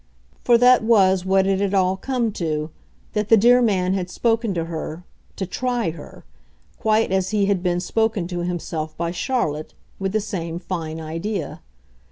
For that was what it had all come to, that the dear man had spoken to her to TRY her quite as he had been spoken to himself by Charlotte, with the same fine idea.